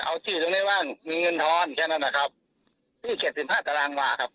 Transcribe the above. เอาชื่อตรงนี้ว่างมีเงินทรอนแค่นั้นแหละครับบิติ๑๕ตารางว่าครับ